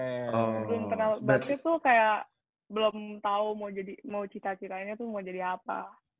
belum kenal basket tuh kayak belum tau mau jadi mau cerita ceritanya tuh mau jadi apa